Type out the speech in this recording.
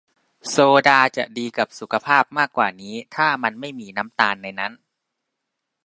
โซดาจะดีกับสุขภาพมากกว่านี้ ถ้ามันไม่มีน้ำตาลในนั้น